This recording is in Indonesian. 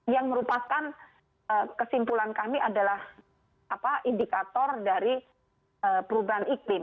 yang merupakan kesimpulan kami adalah indikator dari perubahan iklim